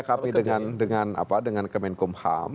kami dengan kemenkum ham